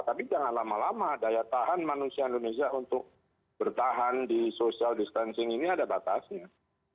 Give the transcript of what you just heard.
tapi jangan lama lama daya tahan manusia indonesia untuk bertahan di social distancing ini ada batasnya